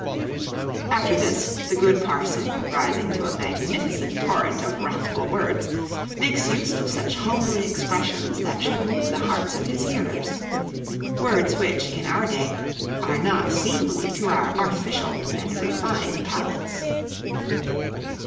After this, the good Parson, rising to a magnificent torrent of wrathful words, makes use of such homely expressions that should move the hearts of his hearers words which, in our day, are not seemly to our artificial and refined palates.